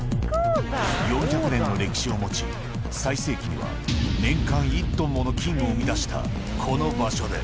４００年の歴史を持ち、最盛期には年間１トンもの金を生み出したこの場所で。